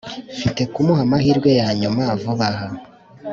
mfite kumuha amahirwe yanyuma vuba aha